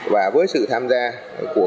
và với sự tham gia của